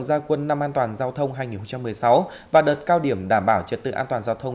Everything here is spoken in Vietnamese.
gia quân năm an toàn giao thông hai nghìn một mươi sáu và đợt cao điểm đảm bảo trật tự an toàn giao thông